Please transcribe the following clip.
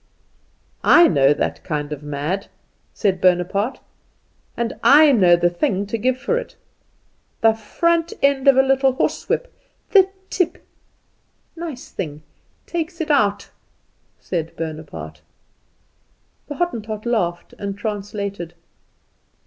I know that kind of mad," said Bonaparte, "and I know the thing to give for it. The front end of a little horsewhip, the tip! Nice thing; takes it out," said Bonaparte. The Hottentot laughed, and translated.